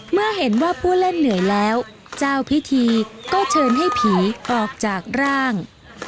เมื่อเห็นว่าผู้เล่นเหนื่อยแล้วเจ้าพิธีก็เชิญให้ผีออกจากร่าง